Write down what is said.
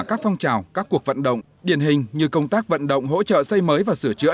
các phong trào các cuộc vận động điển hình như công tác vận động hỗ trợ xây mới và sửa chữa